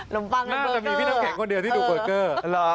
แล้วมันจะมีพี่น้ำแข็งคนเดียวที่ดูเบอร์เกอร์